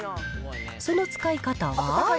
その使い方は？